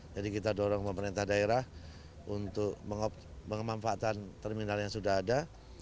jadi kita dorong pemerintah daerah untuk memanfaatkan terminal yang sudah ada